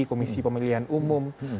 komisi pemilihan umum